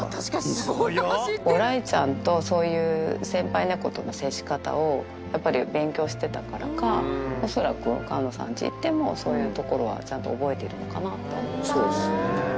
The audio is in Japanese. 雷ちゃんとそういう先輩猫との接し方を、やっぱり勉強してたからか、恐らく川野さんち行っても、そういうところはちゃんと覚えてそうですね。